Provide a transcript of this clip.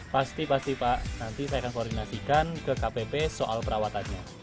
pasti pasti pak nanti saya akan koordinasikan ke kpp soal perawatannya